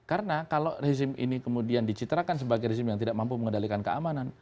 karena kalau rezim ini kemudian dicitrakan sebagai rezim yang tidak mampu mengendalikan keamanan